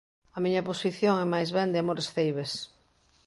A miña posición é máis ben de amores ceibes.